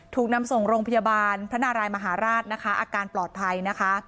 ถูกนำส่งโรงพยาบาลพระนารายมหาราชนะคะอาการปลอดภัยนะคะ